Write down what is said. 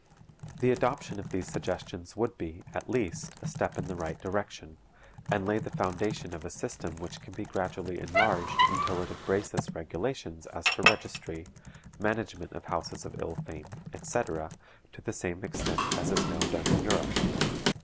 The adoption of these suggestions would be, at least, a step in the right direction, and lay the foundation of a system which can be gradually enlarged until it embraces regulations as to registry, management of houses of ill fame, etc., to the same extent as is now done in Europe.